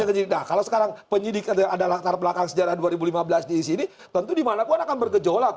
nah kalau sekarang penyidik ada latar belakang sejarah dua ribu lima belas di sini tentu dimanapun akan bergejolak